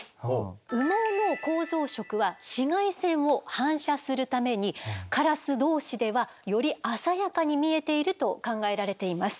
羽毛の構造色は紫外線を反射するためにカラスどうしではより鮮やかに見えていると考えられています。